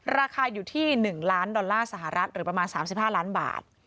ราคาอยู่ที่๑ล้านดอลลาร์สหรัฐหรือประมาณ๓๕ล้านบาท